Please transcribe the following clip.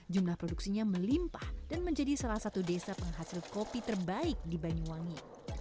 jumlah produksinya melimpah dan menjadi salah satu desa penghasil kopi terbaik di banyuwangi